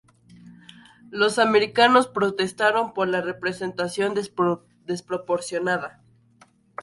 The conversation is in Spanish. Los americanos protestaron por la representación desproporcionada.